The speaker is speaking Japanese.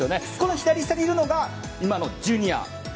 左下にいるのが今のジュニア。